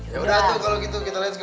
yaudah tuh kalau gitu kita let's go